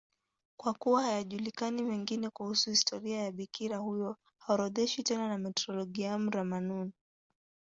Kwa kuwa hayajulikani mengine kuhusu historia ya bikira huyo, haorodheshwi tena na Martyrologium Romanum.